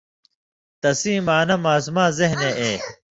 تسیں معنا ماݜاں ذہنے اے